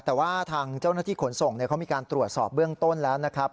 แต่ว่าทางเจ้าหน้าที่ขนส่งเขามีการตรวจสอบเบื้องต้นแล้วนะครับ